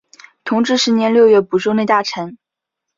同治十年六月补授内大臣。